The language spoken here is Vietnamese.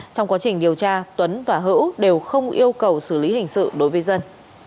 trong quá trình điều tra tuấn và hữu đều không yêu cầu xử lý hình sự đối với dân